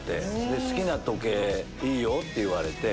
で「好きな時計いいよ」って言われて。